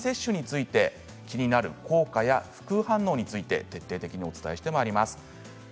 気になる効果や副反応について徹底的にお伝えしてまいります。